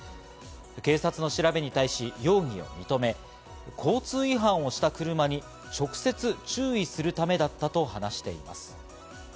警察の調べに対し、容疑を認め、交通違反をした車に直接注意するためだったと話しています。